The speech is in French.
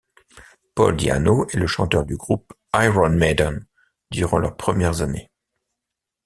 Paul Di'Anno est le chanteur du groupe Iron Maiden durant leurs premières années.